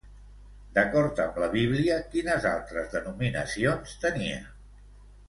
D'acord amb la Bíblia, quines altres denominacions tenia?